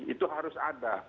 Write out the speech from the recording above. itu harus ada